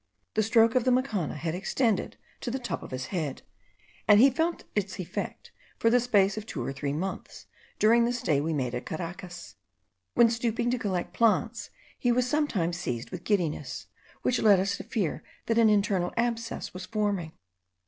The stroke of the macana had extended to the top of his head, and he felt its effect for the space of two or three months during the stay we made at Caracas. When stooping to collect plants, he was sometimes seized with giddiness, which led us to fear that an internal abscess was forming.